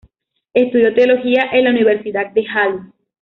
Estudió teología en la Universidad de Halle.